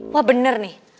wah bener nih